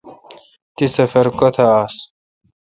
تی سفر کوتھ آس۔